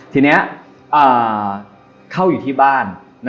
ทีนี้เข้าอยู่ที่บ้าน